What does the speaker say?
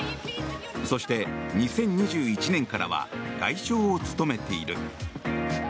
そして、２０２１年からは外相を務めている。